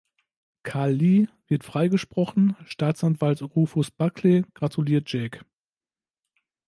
Carl Lee wird freigesprochen, Staatsanwalt Rufus Buckley gratuliert Jake.